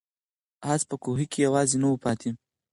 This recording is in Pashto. آس په کوهي کې یوازې نه و پاتې.